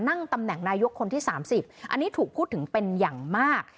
นั่งตำแหน่งนายกคนที่๓๐อันนี้ถูกพูดถึงเป็นอย่างมาก